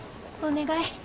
お願い。